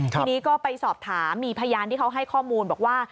ทีนี้ก็ไปสอบถามมีพยานที่เขาให้ข้อมูลบอกว่า